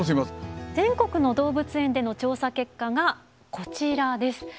全国の動物園での調査結果がこちらです。